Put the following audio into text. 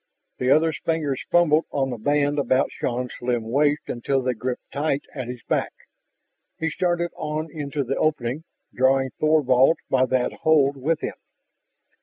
The other's fingers fumbled on the band about Shann's slim waist until they gripped tight at his back. He started on into the opening, drawing Thorvald by that hold with him.